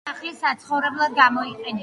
ამჟამად სახლი საცხოვრებლად გამოიყენება.